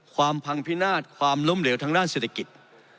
ความพังพินาศความล้มเหลวทางด้านเศรษฐกิจ